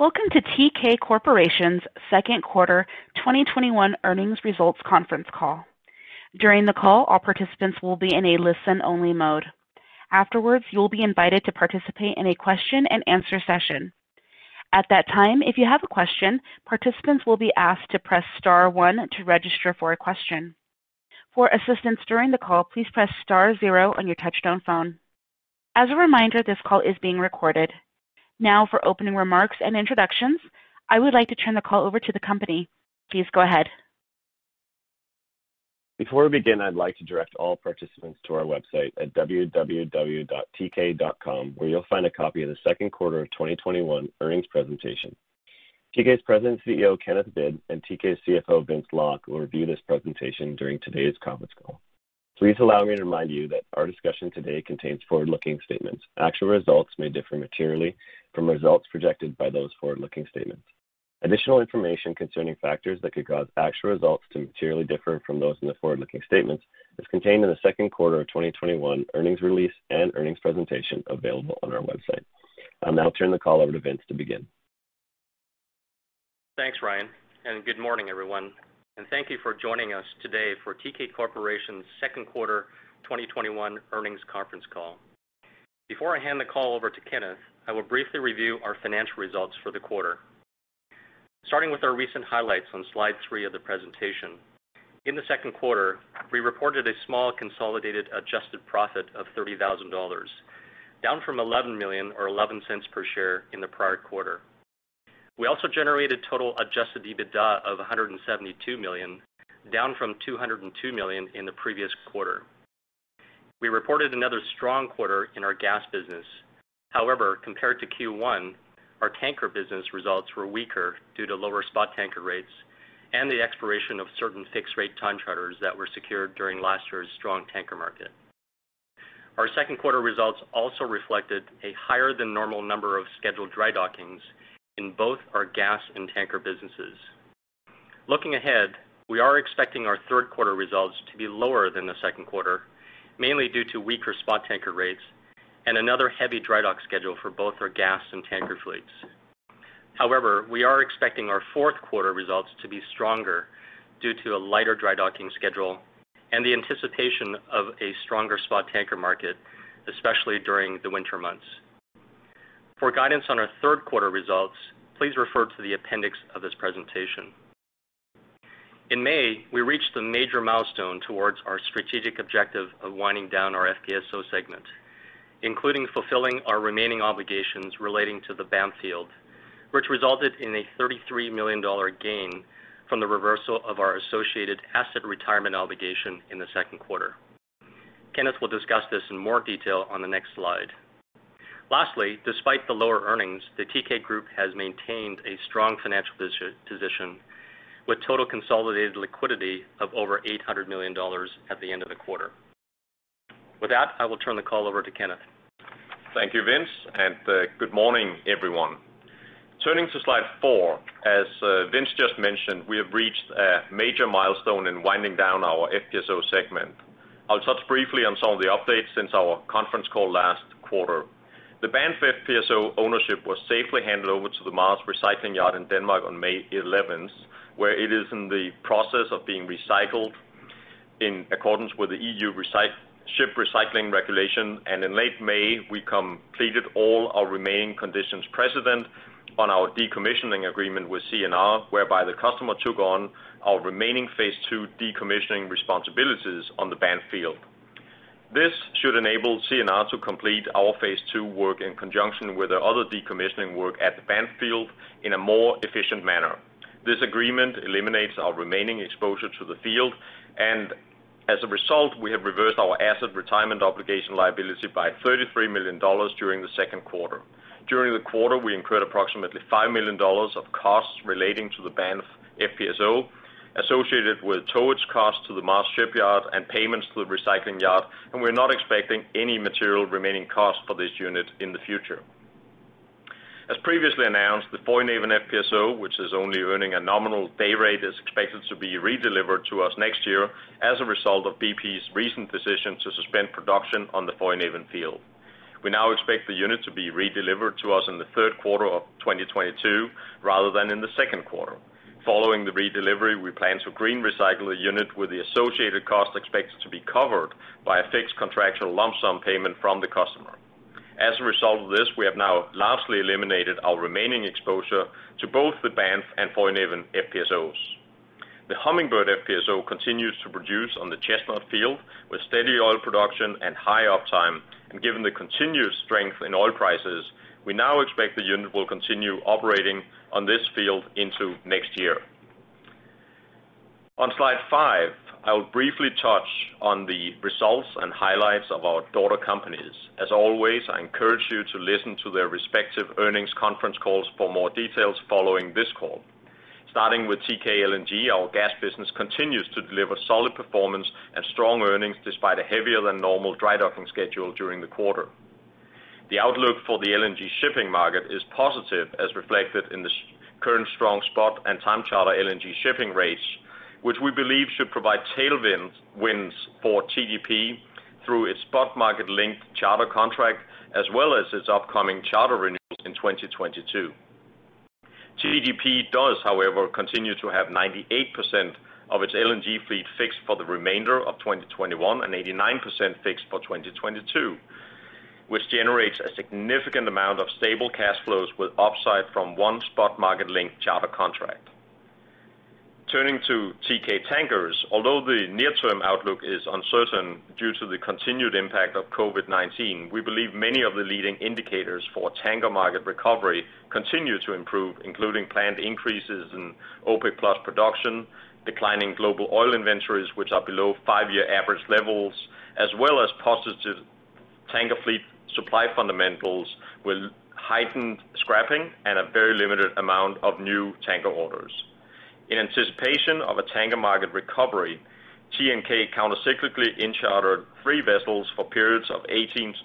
Welcome to Teekay Corporation's second quarter 2021 earnings results conference call. During the call, all participants will be in a listen-only mode. Afterwards, you will be invited to participate in a question and answer session. At that time, if you have a question, participants will be asked to press Star one to register for a question. For assistance during the call, please press Star zero on your touch-tone phone. As a reminder, this call is being recorded. Now for opening remarks and introductions, I would like to turn the call over to the company. Please go ahead. Before we begin, I'd like to direct all participants to our website at www.teekay.com where you'll find a copy of the second quarter of 2021 earnings presentation. Teekay's President and CEO, Kenneth Hvid, and Teekay's CFO, Vince Lok, will review this presentation during today's conference call. Please allow me to remind you that our discussion today contains forward-looking statements. Actual results may differ materially from results projected by those forward-looking statements. Additional information concerning factors that could cause actual results to materially differ from those in the forward-looking statements is contained in the second quarter of 2021 earnings release and earnings presentation available on our website. I'll now turn the call over to Vince to begin. Thanks, Ryan. Good morning, everyone, and thank you for joining us today for Teekay Corporation's second quarter 2021 earnings conference call. Before I hand the call over to Kenneth, I will briefly review our financial results for the quarter. starting with our recent highlights on Slide three of the presentation. In the second quarter, we reported a small consolidated adjusted profit of $30,000, down from $11 million or $0.11 per share in the prior quarter. We also generated total adjusted EBITDA of $172 million, down from $202 million in the previous quarter. We reported another strong quarter in our gas business. However, compared to Q1, our tanker business results were weaker due to lower spot tanker rates and the expiration of certain fixed rate time charters that were secured during last year's strong tanker market. Our second quarter results also reflected a higher than normal number of scheduled dry dockings in both our gas and tanker businesses. Looking ahead, we are expecting our third quarter results to be lower than the second quarter, mainly due to weaker spot tanker rates and another heavy dry dock schedule for both our gas and tanker fleets. However, we are expecting our fourth quarter results to be stronger due to a lighter dry docking schedule and the anticipation of a stronger spot tanker market, especially during the winter months. For guidance on our third quarter results, please refer to the appendix of this presentation. In May, we reached a major milestone towards our strategic objective of winding down our FPSO segment, including fulfilling our remaining obligations relating to the Banff field, which resulted in a $33 million gain from the reversal of our associated asset retirement obligation in the Second Quarter. Kenneth will discuss this in more detail on the next slide. Lastly, despite the lower earnings, the Teekay group has maintained a strong financial position with total consolidated liquidity of over $800 million at the end of the quarter. With that, I will turn the call over to Kenneth. Thank you, Vince, and good morning, everyone. Turning to Slide four, as Vince just mentioned, we have reached a major milestone in winding down our FPSO segment. I'll touch briefly on some of the updates since our conference call last quarter. The Banff FPSO ownership was safely handed over to the M.A.R.S. Recycling Yard in Denmark on May 11th, where it is in the process of being recycled in accordance with the EU Ship Recycling Regulation. In late May, we completed all our remaining conditions precedent on our decommissioning agreement with CNR, whereby the customer took on our remaining Phase II decommissioning responsibilities on the Banff field. This should enable CNR to complete our Phase II work in conjunction with their other decommissioning work at the Banff field in a more efficient manner. This agreement eliminates our remaining exposure to the field, as a result, we have reversed our asset retirement obligation liability by $33 million during the second quarter. During the quarter, we incurred approximately $5 million of costs relating to the Banff FPSO associated with towage costs to the M.A.R.S. shipyard and payments to the recycling yard, we're not expecting any material remaining cost for this unit in the future. As previously announced, the Foinaven FPSO, which is only earning a nominal day rate, is expected to be redelivered to us next year as a result of BP's recent decision to suspend production on the Foinaven field. We now expect the unit to be redelivered to us in the third quarter of 2022 rather than in the second quarter. Following the redelivery, we plan to green recycle the unit with the associated cost expected to be covered by a fixed contractual lump sum payment from the customer. As a result of this, we have now largely eliminated our remaining exposure to both the Banff and Foinaven FPSOs. The Hummingbird FPSO continues to produce on the Chestnut field with steady oil production and high uptime, and given the continued strength in oil prices, we now expect the unit will continue operating on this field into next year. On Slide five, I will briefly touch on the results and highlights of our daughter companies. As always, I encourage you to listen to their respective earnings conference calls for more details following this call. starting with Teekay LNG, our gas business continues to deliver solid performance and strong earnings despite a heavier than normal dry docking schedule during the quarter. The outlook for the LNG shipping market is positive as reflected in the Current strong spot and time charter LNG shipping rates, which we believe should provide tailwinds for TGP through its spot market-linked charter contract, as well as its upcoming charter renewals in 2022. TGP does, however, continue to have 98% of its LNG fleet fixed for the remainder of 2021 and 89% fixed for 2022, which generates a significant amount of stable cash flows with upside from 1 spot market-linked charter contract. Turning to Teekay Tankers, although the near-term outlook is uncertain due to the continued impact of COVID-19, we believe many of the leading indicators for tanker market recovery continue to improve, including planned increases in OPEC+ production, declining global oil inventories, which are below five-year average levels, as well as positive tanker fleet supply fundamentals with heightened scrapping and a very limited amount of new tanker orders. In anticipation of a tanker market recovery, TNK counter-cyclically in chartered three vessels for periods of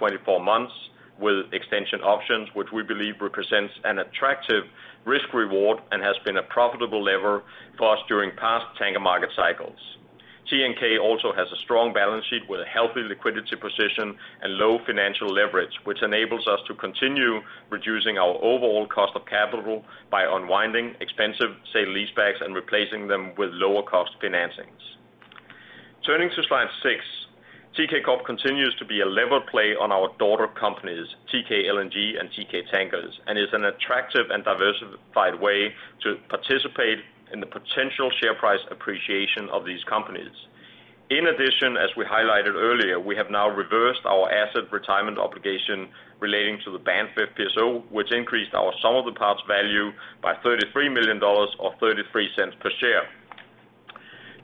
18-24 months with extension options, which we believe represents an attractive risk-reward and has been a profitable lever for us during past tanker market cycles. TNK also has a strong balance sheet with a healthy liquidity position and low financial leverage, which enables us to continue reducing our overall cost of capital by unwinding expensive sale leasebacks and replacing them with lower cost financings. Turning to Slide six, Teekay Corp continues to be a levered play on our daughter companies, Teekay LNG and Teekay Tankers, and is an attractive and diversified way to participate in the potential share price appreciation of these companies. In addition, as we highlighted earlier, we have now reversed our asset retirement obligation relating to the Banff FPSO, which increased our sum of the parts value by $33 million or $0.33 per share.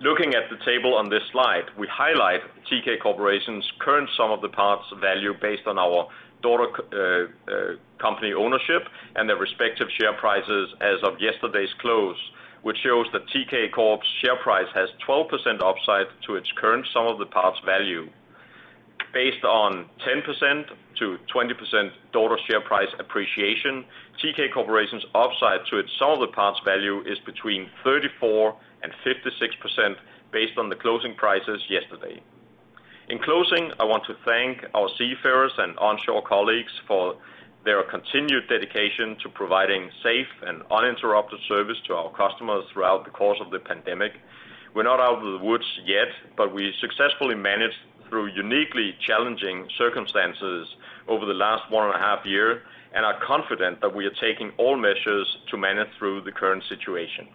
Looking at the table on this slide, we highlight Teekay Corporation's current sum of the parts value based on our daughter company ownership and their respective share prices as of yesterday's close, which shows that Teekay Corp's share price has 12% upside to its current sum of the parts value. Based on 10%-20% daughter share price appreciation, Teekay Corporation's upside to its sum of the parts value is between 34% and 56% based on the closing prices yesterday. In closing, I want to thank our seafarers and onshore colleagues for their continued dedication to providing safe and uninterrupted service to our customers throughout the course of the pandemic. We're not out of the woods yet, but we successfully managed through uniquely challenging circumstances over the last one and a half year and are confident that we are taking all measures to manage through the current situation.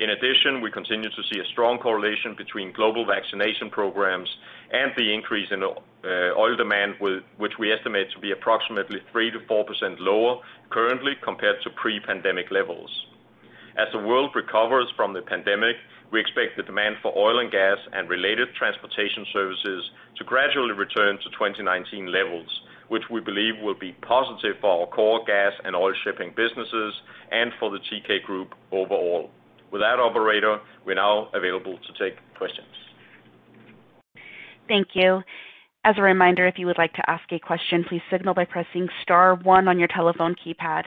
In addition, we continue to see a strong correlation between global vaccination programs and the increase in oil demand, which we estimate to be approximately 3%-4% lower currently compared to pre-pandemic levels. As the world recovers from the pandemic, we expect the demand for oil and gas and related transportation services to gradually return to 2019 levels, which we believe will be positive for our core gas and oil shipping businesses and for the Teekay group overall. With that, operator, we're now available to take questions. Thank you. As a reminder, if you would like to ask a question, please signal by pressing Star one on your telephone keypad.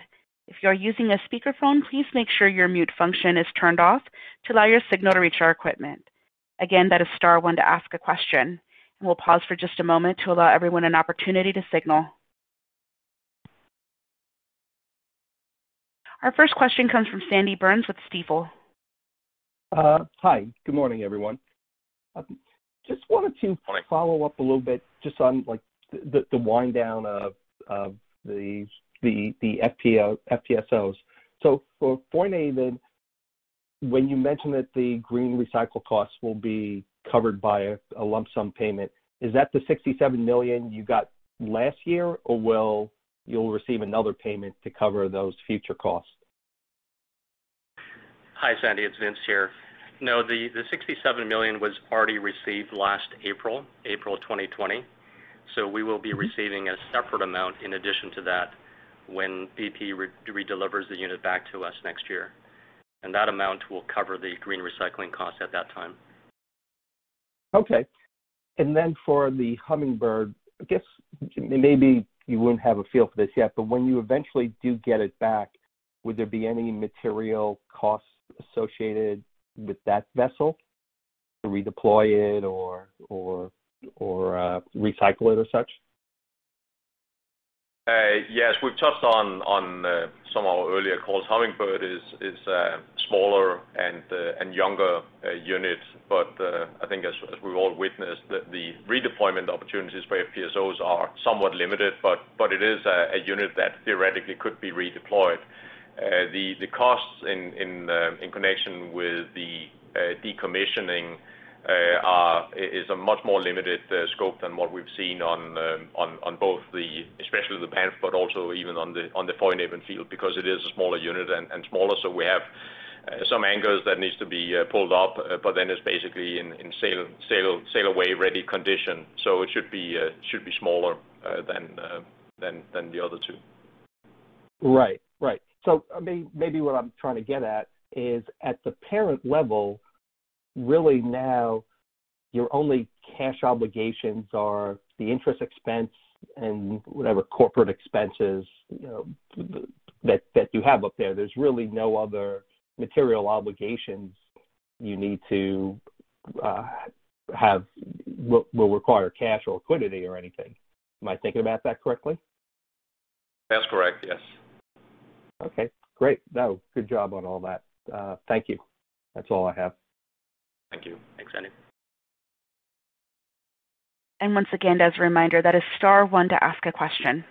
If you're using a speakerphone, please make sure your mute function is turned off to allow your signal to reach our equipment. Again, that is Star one to ask a question, and we'll pause for just a moment to allow everyone an opportunity to signal. Our first question comes from Sanford Burns with Stifel. Hi, good morning, everyone. Just wanted to follow up a little bit just on the wind down of the FPSOs. For Foinaven, when you mentioned that the green recycle costs will be covered by a lump sum payment, is that the $67 million you got last year, or will you receive another payment to cover those future costs? Hi, Sandy, it's Vince here. No, the $67 million was already received last April 2020. We will be receiving a separate amount in addition to that when BP redelivers the unit back to us next year, and that amount will cover the green recycling cost at that time. Okay. For the Hummingbird, I guess maybe you wouldn't have a feel for this yet, but when you eventually do get it back, would there be any material costs associated with that vessel to redeploy it or recycle it as such? Yes. We've touched on some of our earlier calls. Hummingbird is a smaller and younger unit. I think as we've all witnessed, the redeployment opportunities for FPSOs are somewhat limited, but it is a unit that theoretically could be redeployed. The costs in connection with the decommissioning is a much more limited scope than what we've seen on both, especially the Banff, also even on the Foinaven field because it is a smaller unit and smaller, so we have some anchors that needs to be pulled up, it's basically in sail away ready condition. It should be smaller than the other two. Right. Maybe what I'm trying to get at is at the parent level, really now your only cash obligations are the interest expense and whatever corporate expenses that you have up there. There's really no other material obligations you need to have will require cash or liquidity or anything. Am I thinking about that correctly? That's correct, yes. Okay, great. No, good job on all that. Thank you. That's all I have. Thank you. Thanks, Sandy. Once again, as a reminder, that is Star one to ask a question.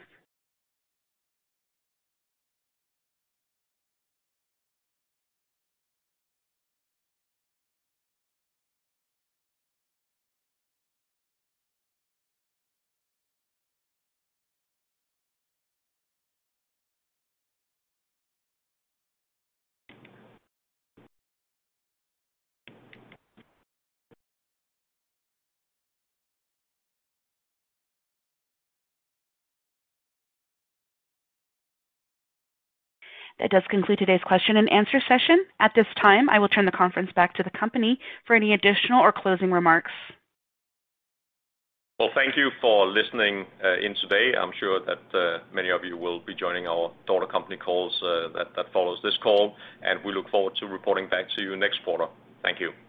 That does conclude today's question and answer session. At this time, I will turn the conference back to the company for any additional or closing remarks. Well, thank you for listening in today. I'm sure that many of you will be joining our daughter company calls that follows this call. We look forward to reporting back to you next quarter. Thank you.